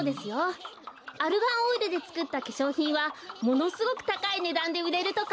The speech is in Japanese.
アルガンオイルでつくったけしょうひんはものすごくたかいねだんでうれるとか。